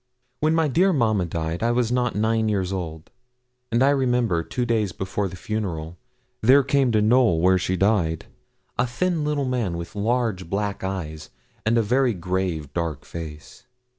When my dear mamma died I was not nine years old; and I remember, two days before the funeral, there came to Knowl, where she died, a thin little man, with large black eyes, and a very grave, dark face.